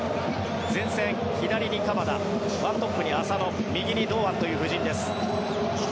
前線、左に鎌田１トップに浅野右に堂安という布陣です。